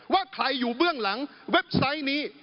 ว่าใครอยู่เบื้องหลังเว็บไซต์นี้